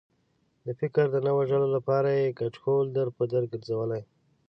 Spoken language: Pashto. د فکر د نه وژلو لپاره یې کچکول در په در ګرځولی.